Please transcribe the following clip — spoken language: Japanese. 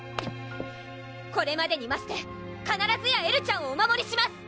これまでにましてかならずやエルちゃんをお守りします！